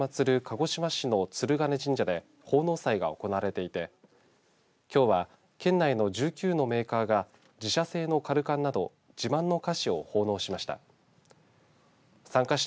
鹿児島市の鶴嶺神社で奉納祭が行われていてきょうは県内の１９のメーカーが自社製のかるかんなど自慢の菓子を奉納しました。